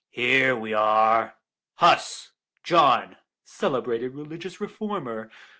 Here we are: 'Huss, John, celebrated religious reformer.